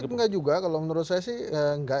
enggak juga kalau menurut saya sih enggak